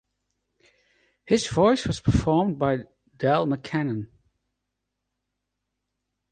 His voice was performed by Dal McKennon.